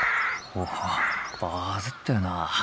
おおバズってるな。